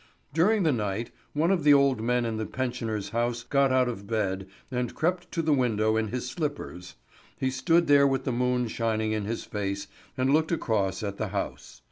During the night, one of the old men in the pensioners' house got out of bed and crept to the window in his slippers. He stood there with the moon shining in his face, and looked across at the house.